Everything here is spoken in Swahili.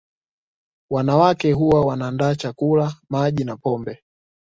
Wanawake huwa wanaandaa chakula Maji na pombe